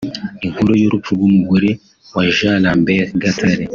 Inkuru y’urupfu rw’umugore wa Jean Lambert Gatare